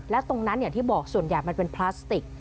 และตรงนั้นอย่างที่บอกส่วนใหญ่มันเป็นพลาสติก